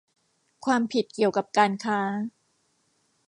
ความผิดเกี่ยวกับการค้า